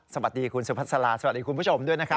สวัสดีคุณสุภาษาลาสวัสดีคุณผู้ชมด้วยนะครับ